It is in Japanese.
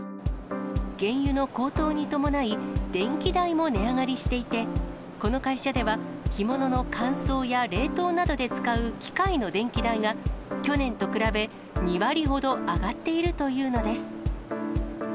原油の高騰に伴い、電気代も値上がりしていて、この会社では、干物の乾燥や冷凍などで使う機械の電気代が、去年と比べ、２割ほど上がっているというのです。